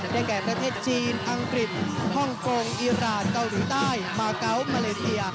แก่ประเทศจีนอังกฤษฮ่องกงอีรานเกาหลีใต้มาเกาะมาเลเซีย